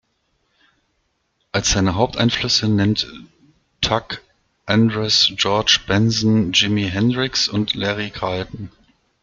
Als seine Haupteinflüsse nennt Tuck Andress George Benson, Jimi Hendrix und Larry Carlton.